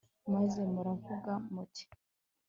maze muravuga muti